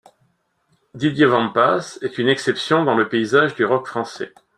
Didier Wampas est une exception dans le paysage du rock français.